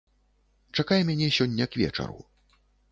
Чакай мяне сёння к вечару.